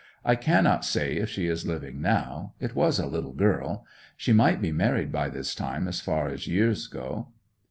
'I cannot say if she is living now. It was a little girl. She might be married by this time as far as years go.